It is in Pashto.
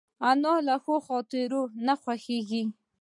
انا له ښو خاطرو نه خوښېږي